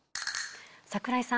櫻井さん